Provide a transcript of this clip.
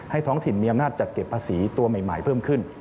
ท้องถิ่นมีอำนาจจัดเก็บภาษีตัวใหม่เพิ่มขึ้น